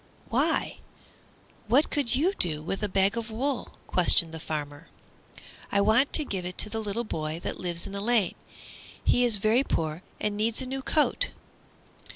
"Why, what could you do with a bag of wool?" questioned the farmer. "I want to give it to the little boy that lives in the lane. He is very poor and needs a new coat."